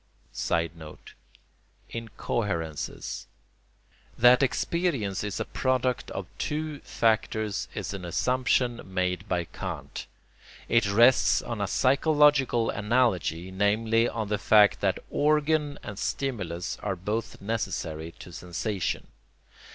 [Sidenote: Incoherences.] That experience is a product of two factors is an assumption made by Kant. It rests on a psychological analogy, namely on the fact that organ and stimulus are both necessary to sensation.